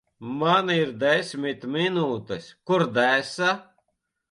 Man ir desmit minūtes. Kur desa?